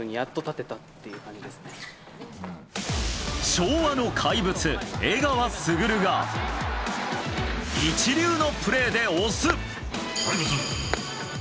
昭和の怪物、江川卓が一流のプレーで押す。